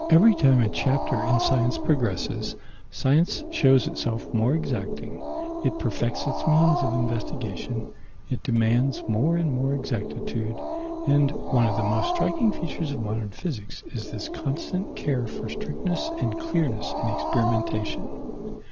Every time a chapter in science progresses, science shows itself more exacting; it perfects its means of investigation, it demands more and more exactitude, and one of the most striking features of modern physics is this constant care for strictness and clearness in experimentation.